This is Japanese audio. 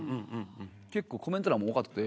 結構コメント欄も多かった。